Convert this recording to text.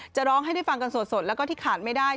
จะร้องให้ได้ฟังกันสดแล้วก็ที่ขาดไม่ได้